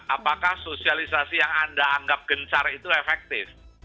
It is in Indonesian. apakah sosialisasi yang anda anggap gencar itu efektif